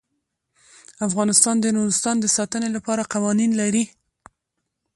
افغانستان د نورستان د ساتنې لپاره قوانین لري.